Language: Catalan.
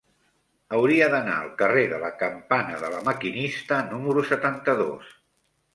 Hauria d'anar al carrer de la Campana de La Maquinista número setanta-dos.